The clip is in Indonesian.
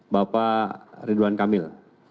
bapak ridwan kamil